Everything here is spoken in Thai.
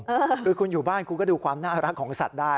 คือคุณอยู่บ้านคุณก็ดูความน่ารักของสัตว์ได้